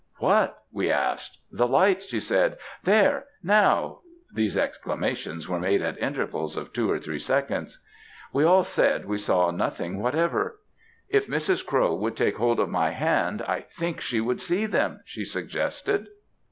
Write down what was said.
"'What?' we asked. 'The lights!' she said. 'There! Now!' These exclamations were made at intervals of two or three seconds. "We all said we saw nothing whatever. "'If Mrs. Crowe would take hold of my hand, I think she would see them,' she suggested.